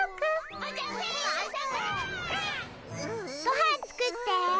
ごはん作って。